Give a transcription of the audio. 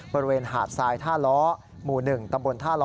บริเวณหาดทรายท่าล้อหมู่๑ตำบลท่าล้อ